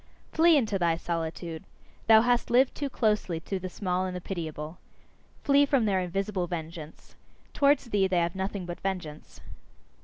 Flee into thy solitude! Thou hast lived too closely to the small and the pitiable. Flee from their invisible vengeance! Towards thee they have nothing but vengeance.